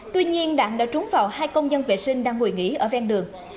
tuy nhiên đạn đã trúng vào hai công nhân vệ sinh đang ngồi nghỉ ở ven đường